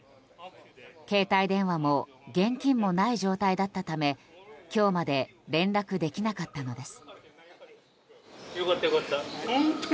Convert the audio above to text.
携帯電話も現金もない状態だったため今日まで連絡できなかったのです。